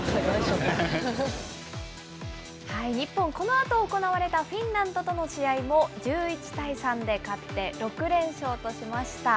日本、このあと行われたフィンランドとの試合も１１対３で勝って、６連勝としました。